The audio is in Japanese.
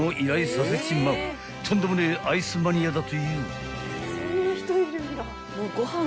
［とんでもねえアイスマニアだという］